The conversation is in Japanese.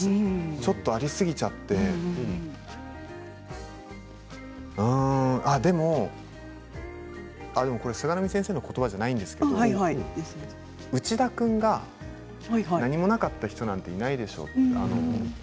ちょっとありすぎちゃってうん、でも菅波先生のことばじゃないんですけど内田君が何もなかった人なんていないでしょうって。